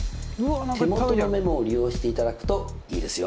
手元のメモを利用していただくといいですよ。